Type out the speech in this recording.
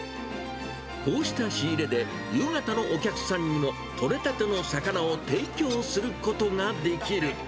こうした仕入れで、夕方のお客さんにも取れたての魚を提供することができる。